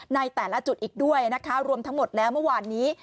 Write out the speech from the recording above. ในแต่ละจุดอีกด้วยนะคะรวมทั้งหมดแล้วเมื่อวานนี้